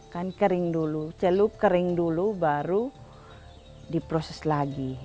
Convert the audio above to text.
kan kering dulu celup kering dulu baru diproses lagi